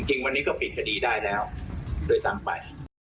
จริงวันนี้ก็ปิดคดีได้แล้วด้วยซ้ำไป